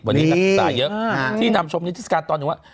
วันนี้นักศึกษาเยอะที่นำชมนิทัศกาลตอนหนึ่งว่า